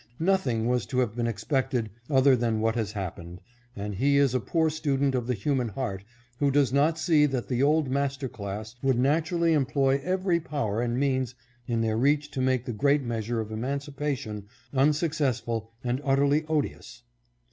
Nothing was to have been expected other than what has happened, and he is a poor student of the human heart who does not see that the old master class would naturally employ every power and means in their reach to make the great measure of emancipation unsuc cessful and utterly odious.